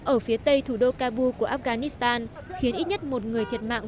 ở phía tây thủ đô kabu của afghanistan khiến ít nhất một người thiệt mạng